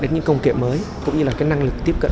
đến những công kệ mới cũng như năng lực tiếp cận